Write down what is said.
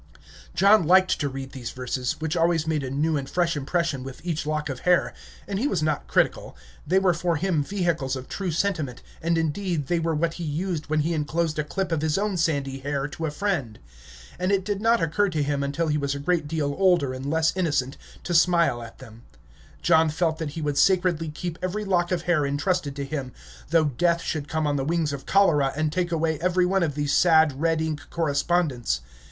John liked to read these verses, which always made a new and fresh impression with each lock of hair, and he was not critical; they were for him vehicles of true sentiment, and indeed they were what he used when he inclosed a clip of his own sandy hair to a friend. And it did not occur to him until he was a great deal older and less innocent, to smile at them. John felt that he would sacredly keep every lock of hair intrusted to him, though death should come on the wings of cholera and take away every one of these sad, red ink correspondents.